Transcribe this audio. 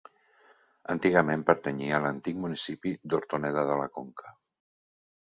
Antigament pertanyia a l'antic municipi d'Hortoneda de la Conca.